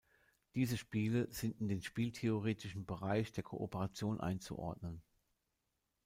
Diese Spiele sind in den spieltheoretischen Bereich der Kooperation einzuordnen.